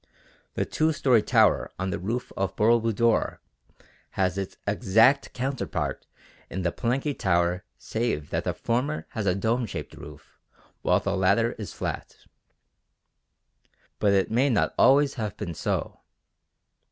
The two storeyed tower on the roof of Boro Budor has its exact counterpart in the Palenque tower save that the former has a dome shaped roof while the latter is flat. But it may not always have been so.